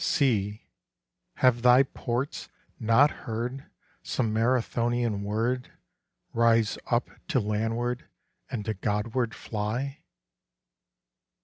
Sea, have thy ports not heard Some Marathonian word Rise up to landward and to Godward fly?